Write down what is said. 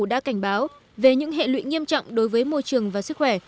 đã cảnh báo về những hệ lụy nghiêm trọng đối với môi trường và sức khỏe